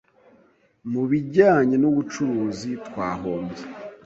"Mu bijyanye n'ubucuruzi, twahombye